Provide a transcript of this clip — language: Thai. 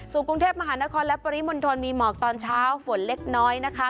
ส่วนกรุงเทพมหานครและปริมณฑลมีหมอกตอนเช้าฝนเล็กน้อยนะคะ